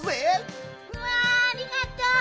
うわありがとう。